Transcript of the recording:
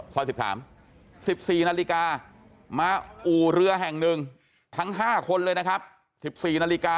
ซอย๑๓๑๔นาฬิกามาอู่เรือแห่งหนึ่งทั้ง๕คนเลยนะครับ๑๔นาฬิกา